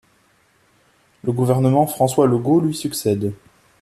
Le gouvernement François Legault lui succède.